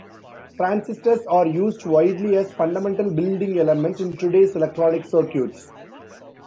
Transistors are used widely as fundamental building element in today's electronic circuits.